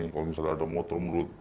kalau misalnya ada motor group